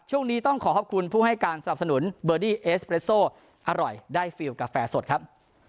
ช่วงนี้ต้องขอขอบคุณผู้ให้การสนับสนุนเบอร์ดี้เอสเรสโซอร่อยได้ฟิลกาแฟสดครับ